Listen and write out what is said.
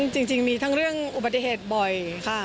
จริงมีทั้งเรื่องอุบัติเหตุบ่อยค่ะ